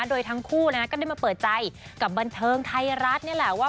โดยทั้งคู่ก็ได้มาเปิดใจกับบันเทิงไทยรัฐนี่แหละว่า